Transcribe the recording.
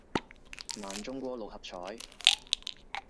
難中過六合彩